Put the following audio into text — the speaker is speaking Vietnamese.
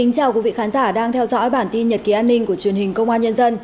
chào mừng quý vị đến với bản tin nhật ký an ninh của truyền hình công an nhân dân